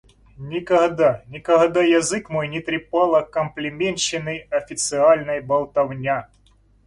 Никогда, никогда язык мой не трепала комплиментщины официальной болтовня.